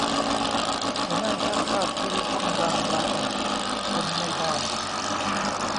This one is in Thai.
หัวหน้าช่างภาพทีวีช่องดัง ลาออก ทนไม่ได้